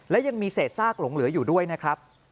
และยังมีเศษซากหลงเหลืออยู่ด้วยนะครับ